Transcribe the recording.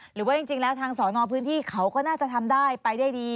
หรือว่าจริงแล้วทางสอนอพื้นที่เขาก็น่าจะทำได้ไปได้ดี